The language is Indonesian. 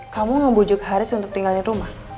kamu ngebujuk haris untuk tinggalin rumah